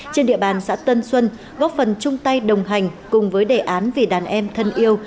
trên địa bàn xã tân xuân góp phần chung tay đồng hành cùng với đề án vì đàn em thân yêu